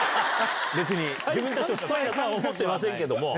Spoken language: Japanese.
別に、自分たちはスパイとは思ってませんけども。